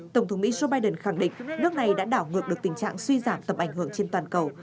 tổng thống mỹ joe biden khẳng định nước này đã đảo ngược được tình trạng suy giảm tầm ảnh hưởng trên toàn cầu